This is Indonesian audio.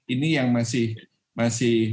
ini yang masih diperlukan